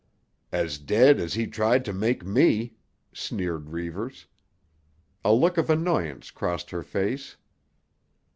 "As dead as he tried to make me," sneered Reivers. A look of annoyance crossed her face.